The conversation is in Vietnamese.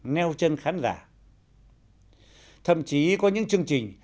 neo chân khán giả thậm chí có những chương trình